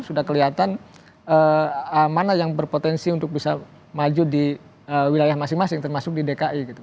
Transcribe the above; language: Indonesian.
sudah kelihatan mana yang berpotensi untuk bisa maju di wilayah masing masing termasuk di dki gitu